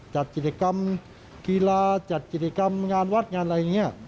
จัดกิจกรรมกีฬาจัดกิจกรรมงานวัดงานอะไรอย่างนี้